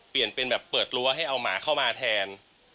เปลี่ยนเป็นแบบเปิดรั้วให้เอาหมาเข้ามาแทน